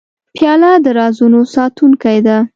پیاله د رازونو ساتونکې ده.